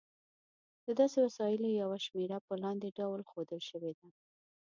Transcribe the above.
د داسې وسایلو یوه شمېره په لاندې ډول ښودل شوې ده.